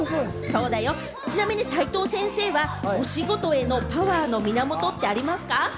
ちなみに齋藤先生はお仕事へのパワーの源ってありますか？